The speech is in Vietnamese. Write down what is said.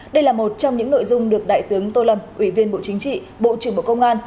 đây là một trong những nội dung được đại tướng tô lâm ủy viên bộ chính trị bộ trưởng bộ công an